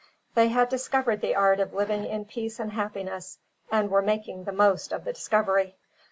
They had discovered the art of living in peace and happiness, and were making the most of the discovery.